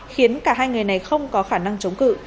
khiến cả hai người này không có khả năng chống cự